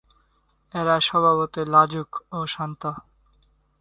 এরা স্বভাবতই লাজুক ও শান্ত।